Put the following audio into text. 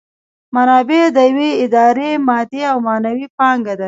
منابع د یوې ادارې مادي او معنوي پانګه ده.